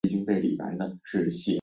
主要用于攻击装甲目标和人员。